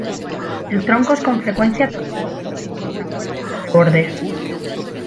El tronco es con frecuencia torcido, sin contrafuertes de rebordes.